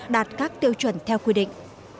đạt các tiêu chuẩn theo quy định